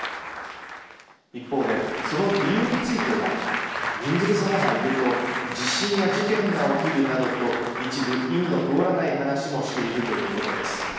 一方で、その理由についてはびんずるさまがいると地震や事件が起きるなどと一部、意味の通らない話もしているということです。